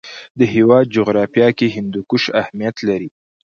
د هېواد جغرافیه کې هندوکش اهمیت لري.